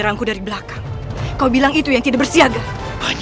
raih kentering manik ingin turut bermain pula rupanya